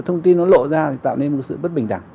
thông tin nó lộ ra thì tạo nên một sự bất bình đẳng